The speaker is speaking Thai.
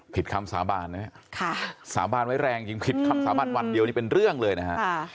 คำสาบานนะฮะสาบานไว้แรงจริงผิดคำสาบานวันเดียวนี่เป็นเรื่องเลยนะฮะ